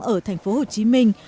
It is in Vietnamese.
ở thành phố hồ chí minh